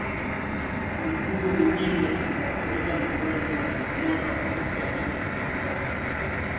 Mifugo mingine inayoathirika na ugonjwa wa majimoyo zaidi ya ngombe ni kondoo na mbuzi